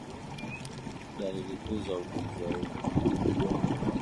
Dalili kuu za ugonjwa huu